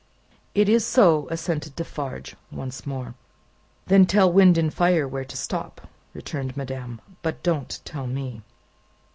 "It is so," assented Defarge once more. "Then tell Wind and Fire where to stop," returned madame; "but don't tell me."